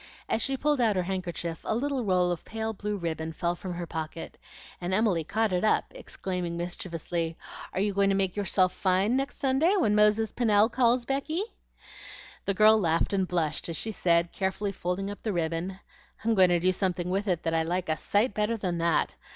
As she pulled out her handkerchief, a little roll of pale blue ribbon fell from her pocket, and Emily caught it up, exclaiming mischievously, "Are you going to make yourself fine next Sunday, when Moses Pennel calls, Becky?" The girl laughed and blushed as she said, carefully folding up the ribbon, "I'm going to do something with it that I like a sight better than that.